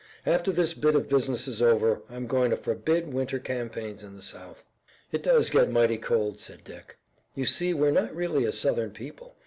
After this bit of business is over I'm going to forbid winter campaigns in the south." "It does get mighty cold," said Dick. "You see we're not really a southern people.